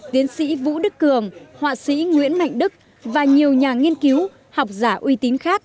tiến sĩ vũ đức cường họa sĩ nguyễn mạnh đức và nhiều nhà nghiên cứu học giả uy tín khác